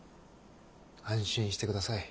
安心してください。